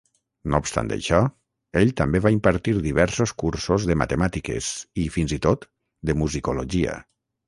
No obstant això, ell també va impartir diversos cursos de matemàtiques i, fins i tot, de musicologia.